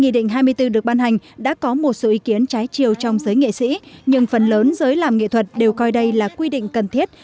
nghị định hai mươi năm là cơ sở pháp lý quan trọng giới nghệ sĩ nhưng phần lớn giới làm nghệ thuật đều coi đây là quy định cần thiết